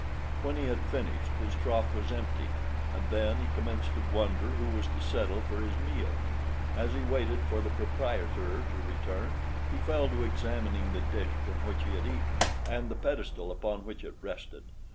When he had finished, his trough was empty, and then he commenced to wonder who was to settle for his meal. As he waited for the proprietor to return, he fell to examining the dish from which he had eaten and the pedestal upon which it rested.